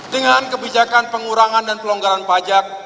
dengan kebijakan pengurangan dan pelonggaran pajak